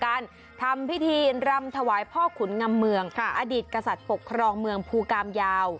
การทำพิธีรำถวายพ่อขุนงำเมืองอดีตกษัตริย์ปกครองเมืองภูกามยาว